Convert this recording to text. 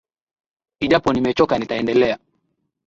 Ijapo nimechoka nitaendelea